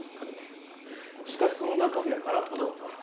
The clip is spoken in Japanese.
しかしその中身は空っぽだった。